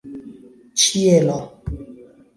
ĉielo